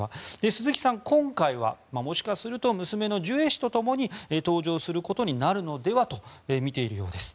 鈴木さん、今回はもしかすると娘のジュエ氏と共に登場することになるのではと見ているようです。